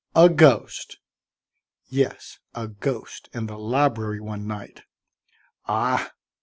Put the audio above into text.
"A ghost?" "Yes, a ghost in the library one night." "Ah!"